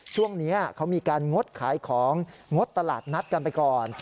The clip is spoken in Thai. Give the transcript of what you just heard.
ช่วงนี้เขามีการงดขายของงดตลาดนัดกันไปก่อน